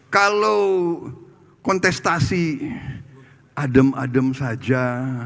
kalau kontestasi adem adem saja